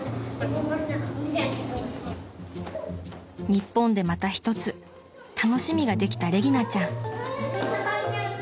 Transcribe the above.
［日本でまた一つ楽しみができたレギナちゃん］